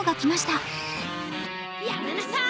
やめなさい！